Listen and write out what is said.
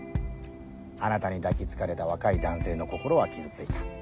あなたに抱き付かれた若い男性の心は傷ついた。